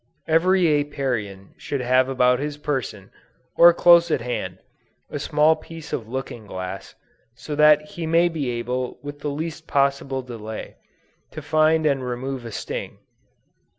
Every Apiarian should have about his person, or close at hand, a small piece of looking glass, so that he may be able with the least possible delay to find and remove a sting.